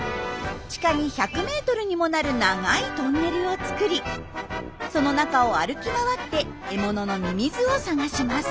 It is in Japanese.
地下に１００メートルにもなる長いトンネルを作りその中を歩き回って獲物のミミズを探します。